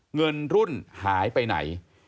เงินรุ่นหายไปไหน